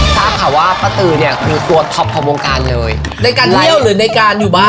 ทราบข่าวว่าป้าตือเนี่ยคือตัวท็อปของวงการเลยในการเที่ยวหรือในการอยู่บ้าน